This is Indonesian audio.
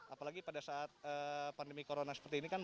apalagi pada saat pandemi corona seperti ini kan